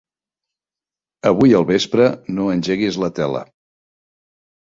Avui al vespre no engeguis la tele.